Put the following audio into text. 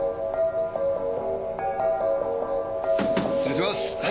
失礼します。